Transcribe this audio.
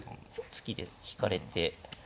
突きで引かれて。